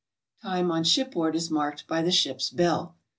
Time on shipboard is marked by the ship's bell.